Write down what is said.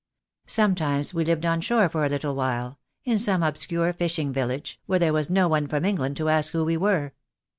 Sometimes we lived on shore for a little while — in some obscure fishing village, where there was no one from England to ask who we were.